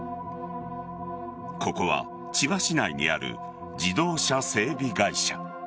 ここは千葉市内にある自動車整備会社。